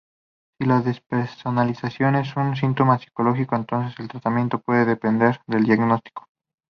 Si la despersonalización es un síntoma psicológico, entonces el tratamiento puede depender del diagnóstico.